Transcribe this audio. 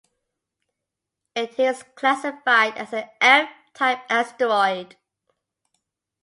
It is classified as an F-type asteroid.